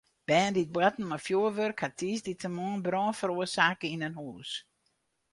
Bern dy't boarten mei fjurwurk hawwe tiisdeitemoarn brân feroarsake yn in hûs.